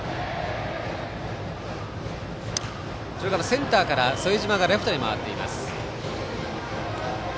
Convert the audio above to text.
センターから副島がレフトに回っています。